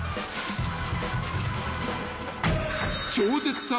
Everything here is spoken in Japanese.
［超絶さん